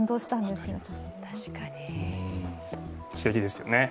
すてきですよね。